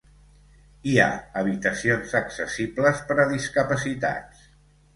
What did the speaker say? Hi ha habitacions accessibles per a discapacitats.